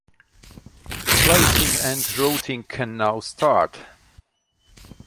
Placing and routing can now start.